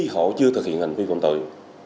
họ chưa thực hiện hành vi phòng tội